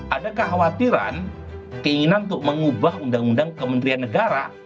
ada kekhawatiran keinginan untuk mengubah undang undang kementerian negara